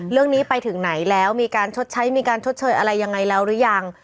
เรื่องนี้ไปถึงไหนแล้วมีการชดใช้มีการชดเชยอะไรยังไงแล้วหรือยัง